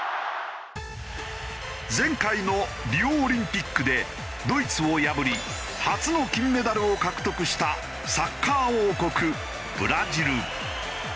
前回のリオオリンピックでドイツを破り初の金メダルを獲得したサッカー王国ブラジル。